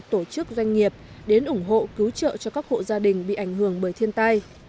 tổ chức doanh nghiệp đến ủng hộ cứu trợ cho các hộ gia đình bị ảnh hưởng bởi thiên tai